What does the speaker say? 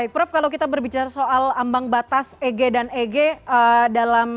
prof kalau kita berbicara soal ambang batas eg dan eg dalam